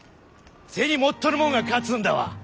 銭持っとるもんが勝つんだわ。